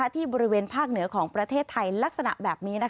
ที่บริเวณภาคเหนือของประเทศไทยลักษณะแบบนี้